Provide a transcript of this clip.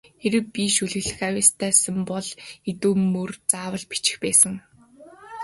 Хэрэв би шүлэглэх авьяастай сан бол хэдэн мөр юм заавал бичих байсан.